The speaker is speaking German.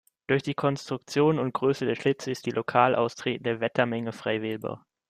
Durch die Konstruktion und Größe der Schlitze ist die lokal austretende Wettermenge frei wählbar.